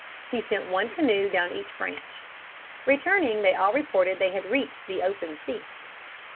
He sent one canoe down each branch. Returning, they all reported that they had reached the open sea.